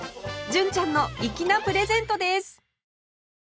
純ちゃんの粋なプレゼントです